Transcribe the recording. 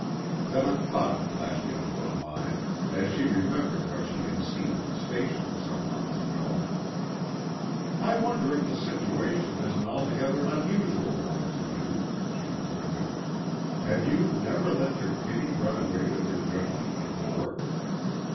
Then a thought flashed into her mind, as she remembered what she had seen at the station some months ago. "I wonder if the situation is an altogether unusual one to you," she continued. "Have you never let your pity run away with your judgment before?"